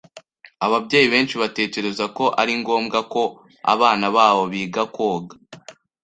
Ababyeyi benshi batekereza ko ari ngombwa ko abana babo biga koga.